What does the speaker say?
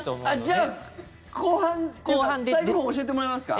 じゃあ、後半というか最後のほう教えてもらえますか？